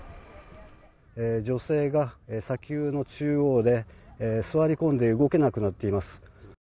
女性が砂丘の中央で座り込んで動けなくなっています。